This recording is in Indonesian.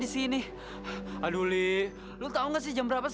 isu dengan tangan